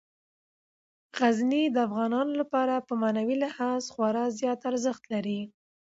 غزني د افغانانو لپاره په معنوي لحاظ خورا زیات ارزښت لري.